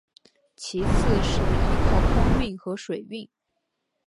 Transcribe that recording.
其次是依靠空运和水运。